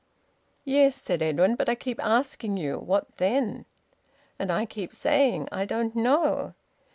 "Yes," said Edwin. "But I keep asking you what then?" "And I keep saying I don't know."